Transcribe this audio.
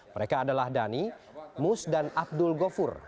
mereka adalah dani mus dan abdul gofur